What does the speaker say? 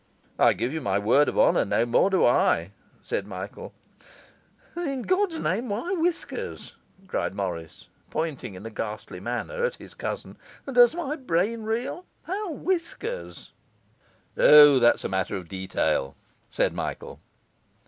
'I give you my word of honour, no more do I,' said Michael. 'And in God's name, why whiskers?' cried Morris, pointing in a ghastly manner at his cousin. 'Does my brain reel? How whiskers?' 'O, that's a matter of detail,' said Michael.